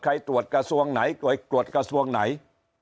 ตรวจกระทรวงไหนตรวจกระทรวงไหน